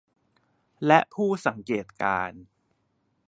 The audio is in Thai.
และผู้สังเกตการณ์